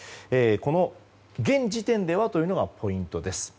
この現時点では、というのがポイントです。